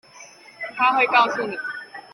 她會告訴你